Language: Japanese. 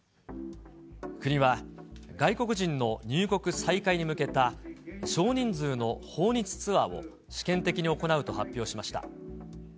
国は、外国人の入国再開に向けた少人数の訪日ツアーを、試験的に行うと発表しました。